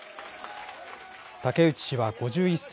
武内氏は５１歳。